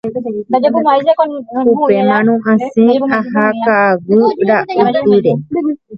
Upémarõ asẽ aha ka'aguy ra'ytýre.